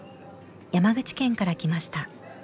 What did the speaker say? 山口県から来ました。